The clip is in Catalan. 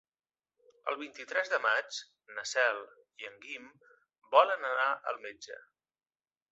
El vint-i-tres de maig na Cel i en Guim volen anar al metge.